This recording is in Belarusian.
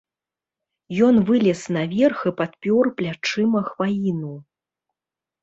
Ён вылез наверх і падпёр плячыма хваіну.